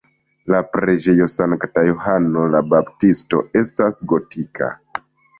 La preĝejo sankta Johano la Baptisto estas gotika.